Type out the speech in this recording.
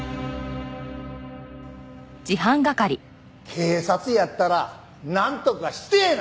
警察やったらなんとかしてえな！